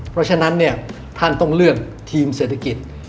เพราะฉะนั้นเนี่ยท่านต้องเลือกทีมเศรษฐกิจ